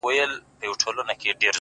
o يو څو د ميني افسانې لوستې؛